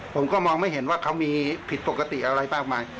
ผมก็มองไม่เห็นว่าเขามีผิดปกติอะไรมากมาย